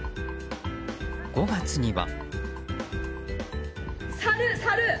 ５月には。